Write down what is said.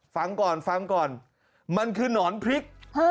ฟังก่อนฟังก่อนมันคือหนอนพริก